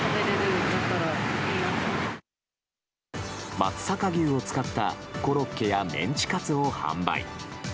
松阪牛を使ったコロッケやメンチカツを販売。